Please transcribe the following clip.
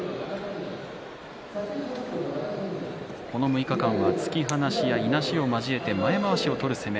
この６日間は突き放しやいなしを交えて前まわしを求める相撲。